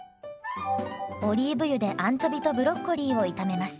オリーブ油でアンチョビとブロッコリーを炒めます。